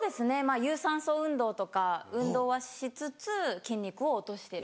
有酸素運動とか運動はしつつ筋肉を落としてる。